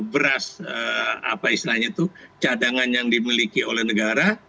beras apa istilahnya itu cadangan yang dimiliki oleh negara